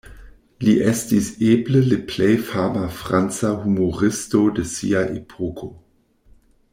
Li estis eble le plej fama franca humuristo de sia epoko.